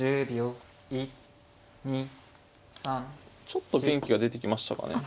ちょっと元気が出てきましたかね。